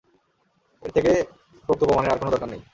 এর থেকে পোক্ত প্রমাণের আর কোনো দরকার নেই।